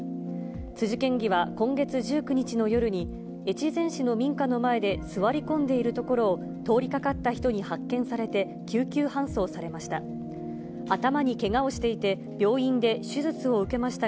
辻県議は今月１９日の夜に、越前市の民家の前で座り込んでいるところを、通りかかった人に発見されて、救急搬送されました。